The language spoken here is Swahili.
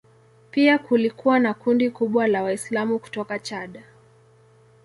Pia kulikuwa na kundi kubwa la Waislamu kutoka Chad.